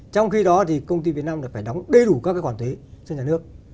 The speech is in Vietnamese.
trong khi đó thì công ty việt nam phải đóng đầy đủ các khoản thuế cho nhà nước